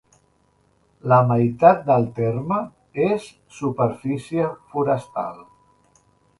La meitat del terme és superfície forestal.